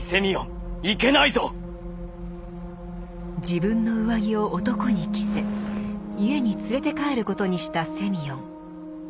自分の上着を男に着せ家に連れて帰ることにしたセミヨン。